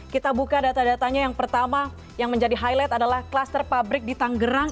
kita buka data datanya yang pertama yang menjadi highlight adalah kluster pabrik di tanggerang